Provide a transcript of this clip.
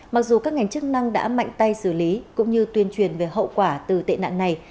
mặc dù các ngành chức năng đã mạnh tay xử lý cũng như tuyên truyền về hậu quả từ tệ nạn này